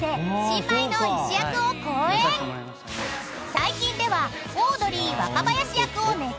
［最近ではオードリー若林役を熱演］